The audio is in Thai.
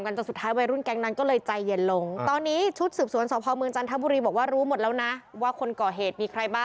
เขาไปช่วยเกลียดกอม